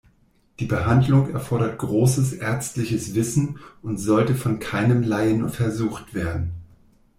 Die Behandlung erfordert großes ärztliches Wissen und sollte von keinem Laien versucht werden.